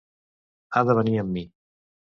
Ha de venir amb mi.